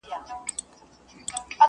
تلي مي سوځي په غرمو ولاړه یمه.!